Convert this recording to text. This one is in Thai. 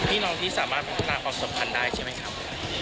พี่น้องที่สามารถปรับคำตอบสำคัญได้ใช่ไหมครับ